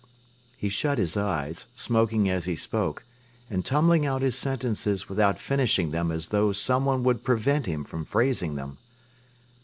'" He shut his eyes, smoking as he spoke, and tumbling out his sentences without finishing them as though some one would prevent him from phrasing them.